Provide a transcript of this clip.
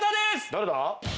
誰だ？